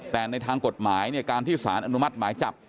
แต่ในทางกฎหมายเนี่ยการที่สารอนุมัติหมายจับ